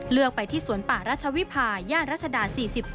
เลือกไปที่สวนป่ารัชวิภาย่านรัชดา๔๗